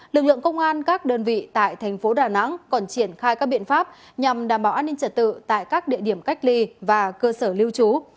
lực lượng công an các đơn vị tại thành phố đà nẵng còn triển khai các biện pháp nhằm đảm bảo an ninh trật tự tại các địa điểm cách ly và cơ sở lưu trú